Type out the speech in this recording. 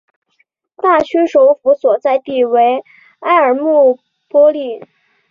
大区首府所在地为埃尔穆波利。